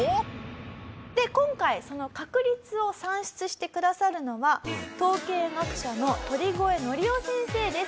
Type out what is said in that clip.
で今回その確率を算出してくださるのは統計学者の鳥越規央先生です。